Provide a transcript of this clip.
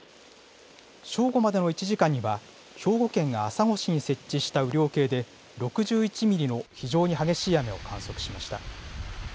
正午までの１時間には、兵庫県が朝来市に設置した雨量計で６１ミリの非常に激しい雨を観測しました。